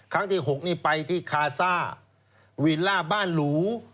ที่๖นี่ไปที่คาซ่าวิลล่าบ้านหรู